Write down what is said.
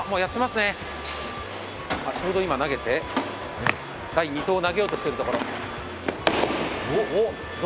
ちょうど今投げて、第２投を投げようとしているところ。